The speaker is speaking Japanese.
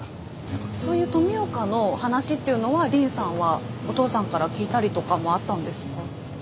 そういう富岡の話っていうのは凜さんはお父さんから聞いたりとかもあったんですか？